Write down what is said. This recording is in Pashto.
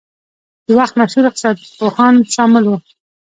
د وخت مشهور اقتصاد پوهان شامل وو.